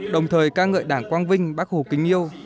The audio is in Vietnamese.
đồng thời ca ngợi đảng quang vinh bác hồ kính yêu